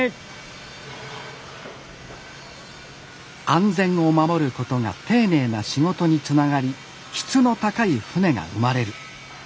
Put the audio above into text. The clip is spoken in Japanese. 「安全を守ることが丁寧な仕事につながり質の高い船が生まれる」。